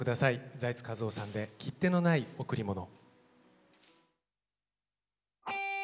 財津和夫さんで「切手のないおくりもの」。